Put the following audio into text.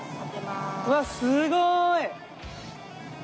うわっすごい！